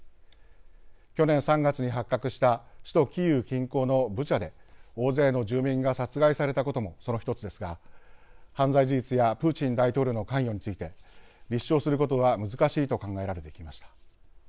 去年３月に発覚した首都キーウ近郊のブチャで大勢の住民が殺害されたこともその１つですが、犯罪事実やプーチン大統領の関与について立証することは難しいと考えられてきました。